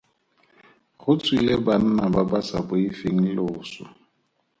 Go tswile banna ba ba sa boifeng loso.